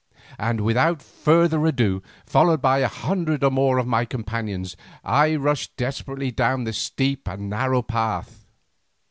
and without further ado, followed by a hundred or more of my companions, I rushed desperately down the steep and narrow path.